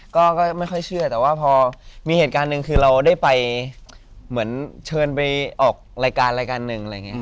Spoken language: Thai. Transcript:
ก็ไม่ค่อยเชื่อแต่ว่าพอมีเหตุการณ์หนึ่งคือเราได้ไปเหมือนเชิญไปออกรายการรายการหนึ่งอะไรอย่างนี้